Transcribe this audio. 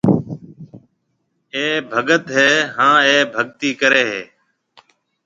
اَي ڀگت هيَ هانَ اَي ڀگتِي ڪريَ هيَ۔